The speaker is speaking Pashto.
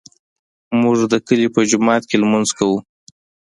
موږ د کلي په جومات کې لمونځ کوو